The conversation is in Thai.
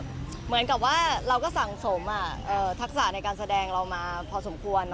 คืออาหารสมควร